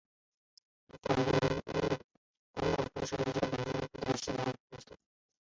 广岛藩是日本江户时代的一个藩领。